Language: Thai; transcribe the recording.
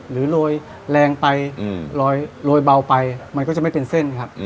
โรยแรงไปโรยเบาไปมันก็จะไม่เป็นเส้นครับ